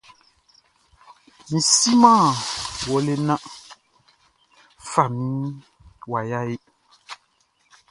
Mʼsiman wlele nan fami waya ehe.